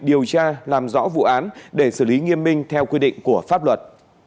điều tra làm rõ vụ án để xử lý nghiêm minh theo quy định của pháp luật